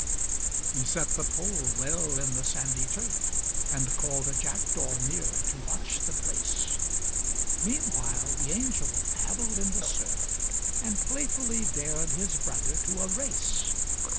He set the pole well in the sandy turf, And called a jackdaw near to watch the place. Meanwhile the angel paddled in the surf, And playfully dared his brother to a race.